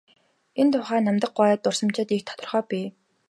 Энэ тухай Намдаг гуайн дурсамжид их тодорхой бий.